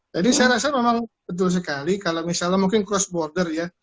jadi saya rasa memang betul sekali kalau misalnya mungkin cross border ya